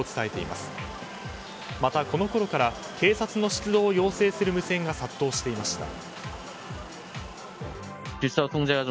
また、このころから警察の出動を要請する無線が殺到していました。